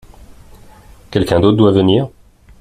Quelqu'un d'autre doit venir ?